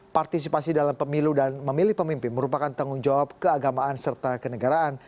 partisipasi dalam pemilu dan memilih pemimpin merupakan tanggung jawab keagamaan serta kenegaraan